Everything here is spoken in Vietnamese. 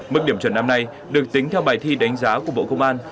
mức điểm chuẩn năm nay được tính theo bài thi đánh giá của bộ công an